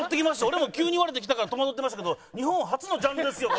俺も急に言われて来たから戸惑ってましたけど日本初のジャンルですよ